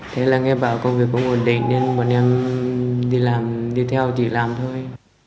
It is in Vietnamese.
thế là nghe bảo công việc có nguồn định nên bọn em đi theo chỉ làm thôi